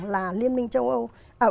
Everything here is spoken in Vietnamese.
là liên minh châu âu